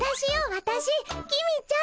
わたし公ちゃん。